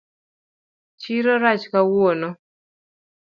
Chiro rach kawuono